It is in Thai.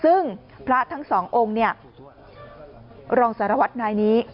ซึ่งพระทั้งสององค์เนี่ยรองสารวัตรนายนี้